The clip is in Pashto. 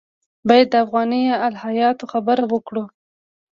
باید د افغاني الهیاتو خبره وکړو.